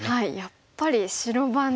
やっぱり白番ですね。